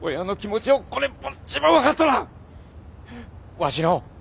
わしの。